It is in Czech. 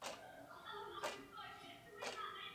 Měna je však zároveň mnohem víc než způsob platby.